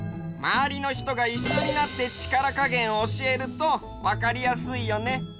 まわりの人がいっしょになって力加減を教えるとわかりやすいよね。